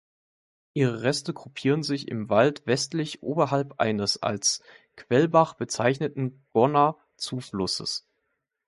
Ihre Reste gruppieren sich im Wald westlich oberhalb eines als "Quellbach" bezeichneten Gonna-Zuflusses.